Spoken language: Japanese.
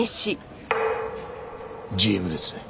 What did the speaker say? ＧＭですね。